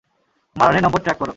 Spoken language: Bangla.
মারানের নম্বর ট্র্যাক করো।